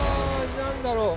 何だろう？